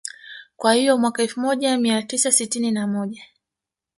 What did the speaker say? Kwa hiyo Mwaka elfu moja mia tisa sitini na moja